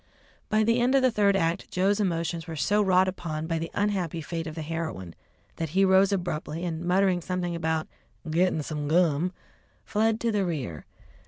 By the end of the third act Joe's emotions were so wrought upon by the unhappy fate of the heroine, that he rose abruptly and, muttering something about "gittin' some gum," fled to the rear.